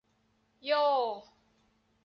โย่